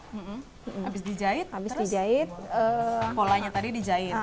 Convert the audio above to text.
habis dijahit polanya tadi dijahit